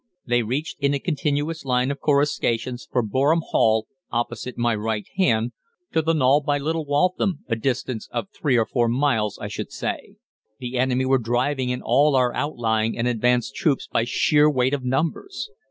They reached in a continuous line of coruscations from Boreham Hall, opposite my right hand, to the knoll by Little Waltham, a distance of three or four miles, I should say. The enemy were driving in all our outlying and advanced troops by sheer weight of numbers.